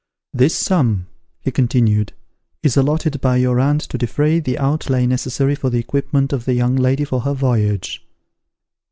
"This sum," he continued, "is allotted by your aunt to defray the outlay necessary for the equipment of the young lady for her voyage."